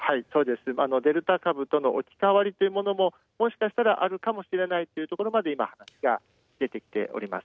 デルタ株との置き換わりというものも、もしかしたらあるかもしれないというところまで今、出てきております。